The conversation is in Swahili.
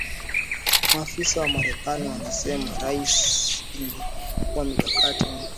Maafisa wa marekani wanasema Russia inageukia mkakati wa kuweka taka kwenye vituo vya idadi ya watu nchini Ukraine